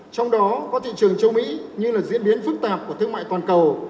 trong đó có thị trường châu mỹ như là diễn biến phức tạp của thương mại toàn cầu